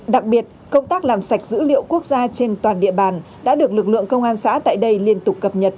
đặc biệt công tác làm sạch dữ liệu quốc gia trên toàn địa bàn đã được lực lượng công an xã tại đây liên tục cập nhật